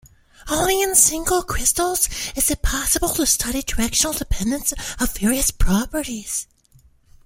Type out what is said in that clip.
Only in single crystals it is possible to study directional dependence of various properties.